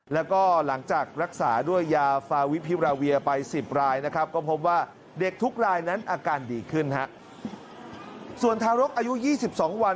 แล้วก็หลังจากรักษาด้วยยาฟาวิพิวราเวียไป๑๐รายนะครับ